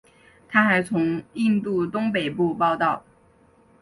他还从印度东北部报道。